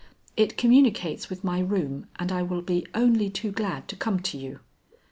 It communicates with my room, and I will be only too glad to come to you."